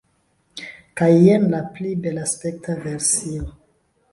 Kaj jen la pli belaspekta versio